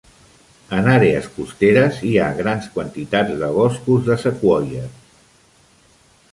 En àrees costeres hi ha grans quantitats de boscos de sequoies.